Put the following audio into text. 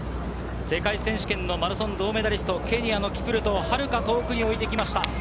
世界選手権のマラソン銅メダリスト、ケニアのキプルトをはるか遠くに置いてきました。